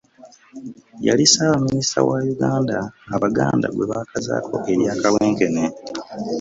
Yali ssaabaminisita wa Uganda, abaganda gwe baakazaako erya Kawenkene